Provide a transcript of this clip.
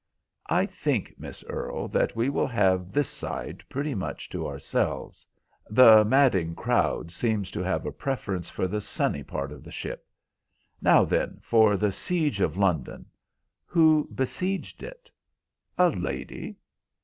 "I think, Miss Earle, that we will have this side pretty much to ourselves. The madd'ing crowd seems to have a preference for the sunny part of the ship. Now, then, for the siege of London. Who besieged it?" "A lady."